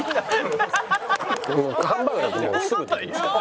ハンバーグだともうすぐできますから。